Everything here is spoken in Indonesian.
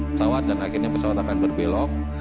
pesawat dan akhirnya pesawat akan berbelok